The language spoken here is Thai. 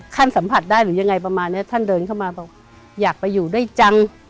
สัมผัสได้หรือยังไงประมาณเนี้ยท่านเดินเข้ามาบอกอยากไปอยู่ด้วยจัง